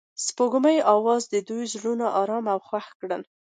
د سپوږمۍ اواز د دوی زړونه ارامه او خوښ کړل.